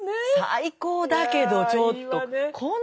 最高だけどちょっとこんな夜中に。